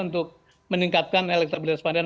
untuk meningkatkan elektabilitas masyarakat